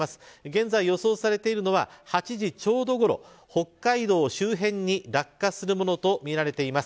現在予想されているの８時ちょうどごろ北海道周辺に落下するものとみられています。